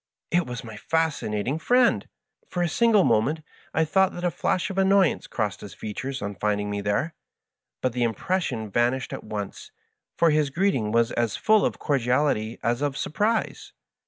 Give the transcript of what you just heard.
It was my Fascinating I>Viend I For a single moment I thought that a flash of annoyance crossed his features on finding me there, but the impression vanished at once, for his greeting was as full of cordiality as of surprise.